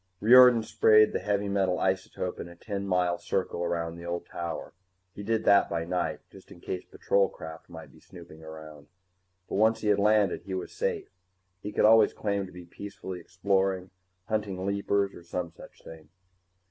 Riordan sprayed the heavy metal isotope in a ten mile circle around the old tower. He did that by night, just in case patrol craft might be snooping around. But once he had landed, he was safe he could always claim to be peacefully exploring, hunting leapers or some such thing.